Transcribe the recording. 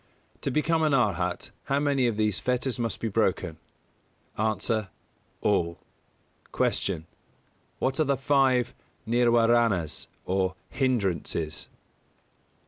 To become an Arhat, how many of these fetters must be broken? A. All. 247. Q. _What are the five Nirwāranas or Hindrances?